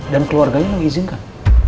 dan keluarganya mengizinkan